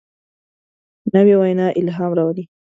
نوې وینا الهام راولي